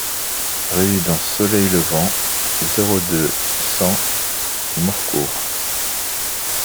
Résidence Soleil Levant, zéro deux, cent Morcourt